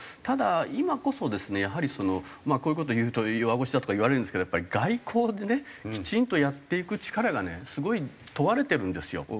ただ今こそですねやはりこういう事を言うと弱腰だとか言われるんですけどやっぱり外交でねきちんとやっていく力がねすごい問われてるんですよ。